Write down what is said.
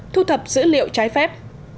nhiều trái phép